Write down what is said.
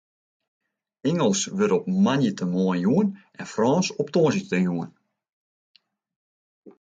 Ingelsk wurdt op moandeitemoarn jûn en Frânsk op tongersdeitejûn.